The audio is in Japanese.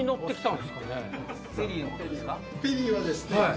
ペリーはですね